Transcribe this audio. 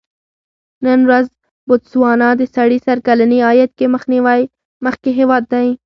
نن ورځ بوتسوانا د سړي سر کلني عاید کې مخکې هېواد دی.